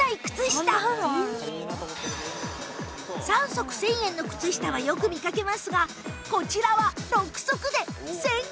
３足１０００円の靴下はよく見かけますがこちらは６足で１０９８円！